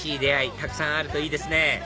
たくさんあるといいですね